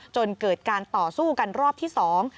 จนเกิดการต่อสู้กันรอบที่สอง